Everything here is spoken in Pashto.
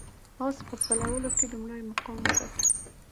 اس په ځغلولو کې لومړی مقام وګاټه.